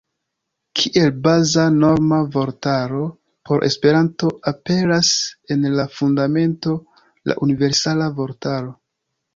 Kiel baza norma vortaro por Esperanto aperas en la Fundamento la "Universala Vortaro".